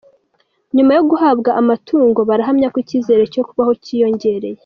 Nyuma yo guhabwa amatungo barahamya ko icyizere cyo kubaho cyiyongereye